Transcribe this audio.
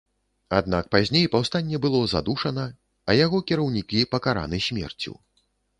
Аднак пазней паўстанне было задушана, а яго кіраўнікі пакараны смерцю.